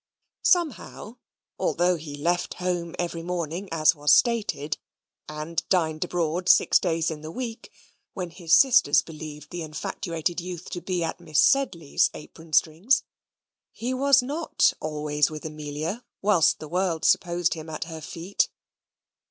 Somehow, although he left home every morning, as was stated, and dined abroad six days in the week, when his sisters believed the infatuated youth to be at Miss Sedley's apron strings: he was NOT always with Amelia, whilst the world supposed him at her feet.